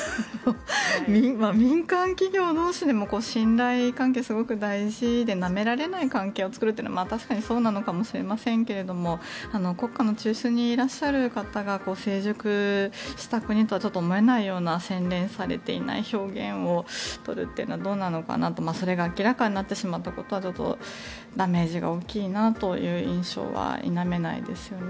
民間企業同士でも信頼関係がすごく大事でなめられない関係を作るのは確かにそうなのかもしれませんが国家の中枢にいらっしゃる方が成熟した国とはちょっと思えないような洗練されていない表現を取るというのはどうなのかなと。それが明らかになってしまったことはちょっと、ダメージが大きいなという印象は否めないですよね。